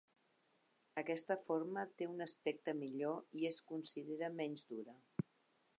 Aquesta forma té un aspecte millor i es considera menys dura.